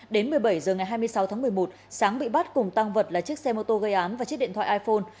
đến một mươi bảy h ngày hai mươi sáu tháng một mươi một sáng bị bắt cùng tăng vật là chiếc xe mô tô gây án và chiếc điện thoại iphone